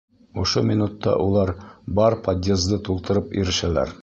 Ошо минутта улар бар подъезды тултырып ирешәләр.